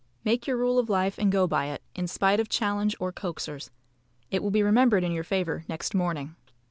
Make your rule of life and go by it, in spite of challenge or coaxers. It will be remembered in your favour next morning.